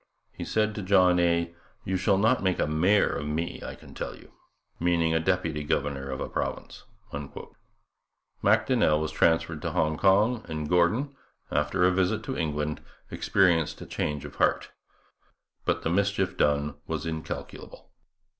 He said to John A.: You shall not make a mayor of me, I can tell you! meaning a deputy governor of a province.' Macdonnell was transferred to Hong Kong; and Gordon, after a visit to England, experienced a change of heart. But the mischief done was incalculable.